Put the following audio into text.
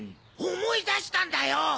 思い出したんだよ！